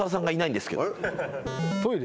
トイレ？